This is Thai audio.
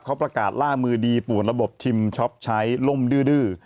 เขาประกาศล่ามือดีปวดระบบทิมช็อปใช้ล่มดื้อ